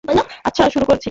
আচ্ছা, শুরু করছি।